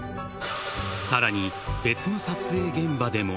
さらに、別の撮影現場でも。